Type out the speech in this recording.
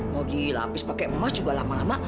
mau dilapis pakai emas juga lama lama